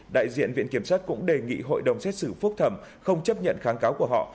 đại diện viện kiểm sát cũng đề nghị hội đồng xét xử phúc thẩm không chấp nhận kháng cáo của họ